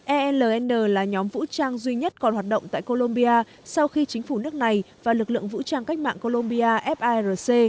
el là nhóm vũ trang duy nhất còn hoạt động tại colombia sau khi chính phủ nước này và lực lượng vũ trang cách mạng colombia firc